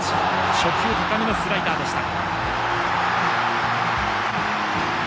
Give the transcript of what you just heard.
初球、高めのスライダーでした。